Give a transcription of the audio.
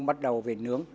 bắt đầu về nướng